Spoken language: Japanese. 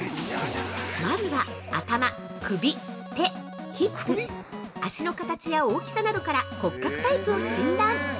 ◆まずは、頭、首、手、ヒップ脚の形や大きさなどから骨格タイプを診断。